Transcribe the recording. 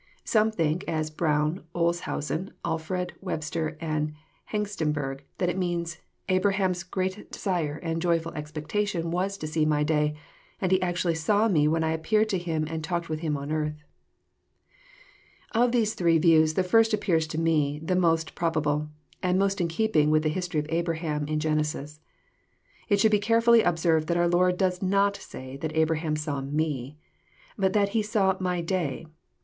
(c) Some think, as Brown, Olshausen, Alford, Webster, and Hengstenberg, that it means, *' Abraham's great desire and joyftil expectation was to see My day, and he actually saw Me when I appeared to him and talked with him on earth." Of these three views the first appears to me the most proba ble, and most in keeping with the history of Abraham, in Genesis. It should be carefully observed that our Lord does not say that Abraham saw Mb," but that " he saw My day."